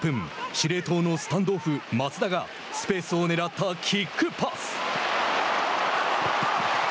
司令塔のスタンドオフ、松田がスペースをねらったキックパス。